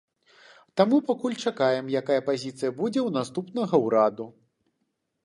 Таму пакуль чакаем, якая пазіцыя будзе ў наступнага ўраду.